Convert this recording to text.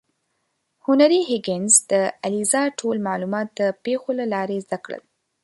هنري هیګینز د الیزا ټول معلومات د پیښو له لارې زده کړل.